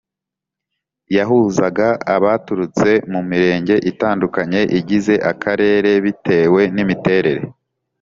yahuzaga abaturutse mu Mirenge itandukanye igize Akarere bitewe n imiterere